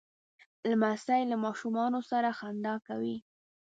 لمسی له ماشومانو سره خندا کوي.